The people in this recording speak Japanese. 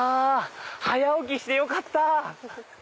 早起きしてよかった！